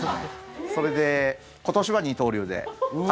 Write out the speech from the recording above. それで、今年は二刀流で。